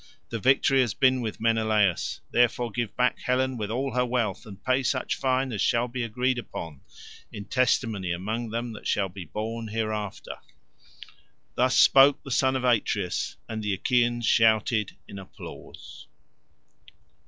The victory has been with Menelaus; therefore give back Helen with all her wealth, and pay such fine as shall be agreed upon, in testimony among them that shall be born hereafter." Thus spoke the son of Atreus, and the Achaeans shouted in applause.